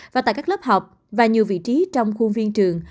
và tại các lớp học và nhiều vị trí trong khuôn viên trường